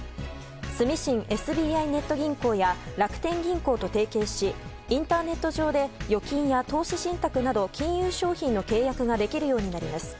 住信ＳＢＩネット銀行や楽天銀行と提携しインターネット上で預金や投資信託など金融商品の契約ができるようになります。